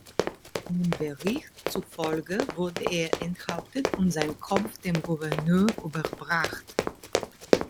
Einem Bericht zufolge wurde er enthauptet und sein Kopf dem Gouverneur überbracht.